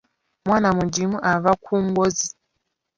Mwana mugimu ava ku ngozi.